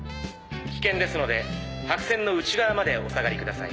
危険ですので白線の内側までお下がりください。